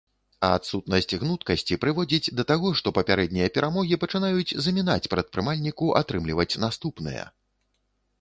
А адсутнасць гнуткасці прыводзіць да таго, што папярэднія перамогі пачынаюць замінаць прадпрымальніку атрымліваць наступныя.